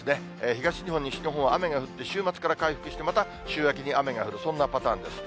東日本、西日本は雨が降って、週末から回復して、また週明けに雨が降る、そんなパターンです。